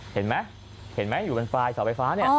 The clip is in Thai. เห็นมั้ยอยู่บนปลายสนภาษา